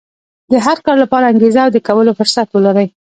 د هر کار لپاره انګېزه او د کولو فرصت ولرئ.